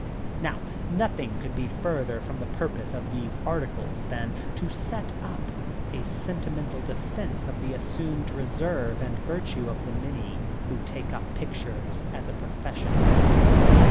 Now nothing could be further from the purpose of these articles than to set up a sentimental defense of the assumed reserve and virtue of many who take up pictures as a profession.